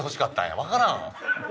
わからん！